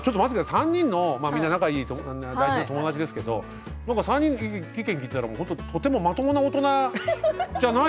３人、みんな仲いい友達ですけど３人の意見を聞いたらとてもまともな大人じゃない。